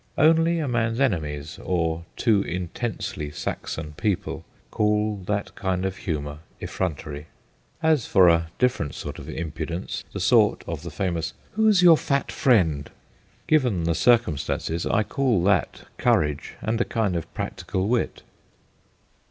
Only a man's enemies, or too intensely Saxon people, call that kind of humour effrontery. As for a different sort of impudence, the sort of the famous ' Who 7 s your fat friend ?' given the 46 THE GHOSTS OF PICCADILLY circumstances, I call that courage and a kind of practical wit.